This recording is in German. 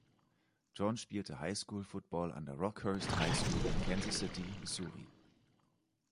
John spielte High-School-Football an der Rockhurst High School in Kansas City, Missouri.